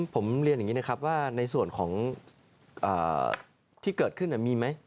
ผมเรียนอย่างนี้นะครับว่าในส่วนของที่เกิดขึ้นมีไหม